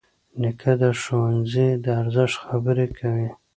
نیکه د ښوونځي د ارزښت خبرې کوي.